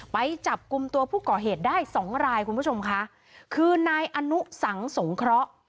ไปจับกลุ่มตัวผู้ก่อเหตุได้สองรายคุณผู้ชมค่ะคือนายอนุสังสงเคราะห์